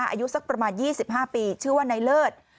อายุสักประมาณ๒๕ปีชื่อว่านายเลิศ